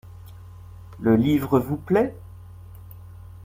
Le livre vous plait ?